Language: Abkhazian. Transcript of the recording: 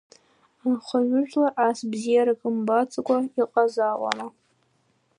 Анхаҩыжәлар ас бзиарак рымбаӡакәа иҟазаауама?